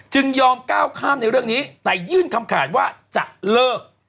ยอมก้าวข้ามในเรื่องนี้แต่ยื่นคำขาดว่าจะเลิก